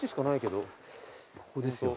ここですよ。